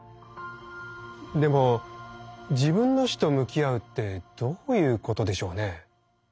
でも自分の死と向き合うってどういうことでしょうね？